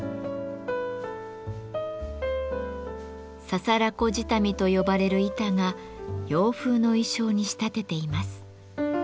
「ささら子下見」と呼ばれる板が洋風の意匠に仕立てています。